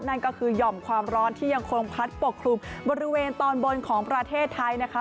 นั่นก็คือหย่อมความร้อนที่ยังคงพัดปกคลุมบริเวณตอนบนของประเทศไทยนะคะ